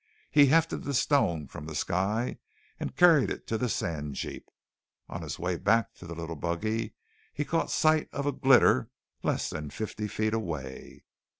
He hefted the stone from the sky and carried it to the sand jeep. On his way back to the little buggy, he caught sight of a glitter less than fifty feet away.